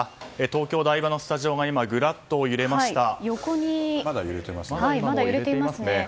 東京・台場のスタジオがぐらっと揺れました。